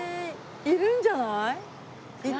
いるんじゃない？